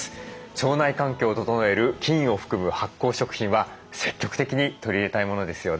腸内環境を整える菌を含む発酵食品は積極的に取り入れたいものですよね。